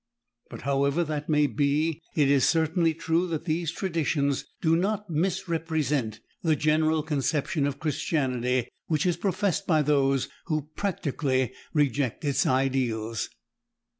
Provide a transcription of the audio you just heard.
But however that may be, it is certainly true that these traditions do not misrepresent the general conception of Christianity which is professed by those who practically reject its ideals.